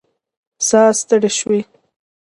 ساه ستړې شوې